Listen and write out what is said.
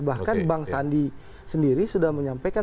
bahkan bang sandi sendiri sudah menyampaikan